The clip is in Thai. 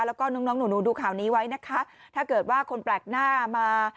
แล้วก็น้องน้องหนูดูข่าวนี้ไว้นะคะถ้าเกิดว่าคนแปลกหน้ามา